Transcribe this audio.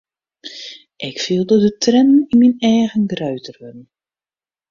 Ik fielde de triennen yn myn eagen grutter wurden.